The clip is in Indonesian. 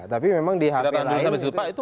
tapi memang di hp lain